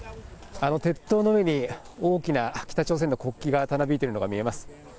あの鉄塔の上に大きな北朝鮮の国旗がたなびいているのが見えます。